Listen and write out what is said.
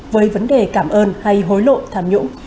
với vấn đề cảm ơn hay hối lộ tham nhũng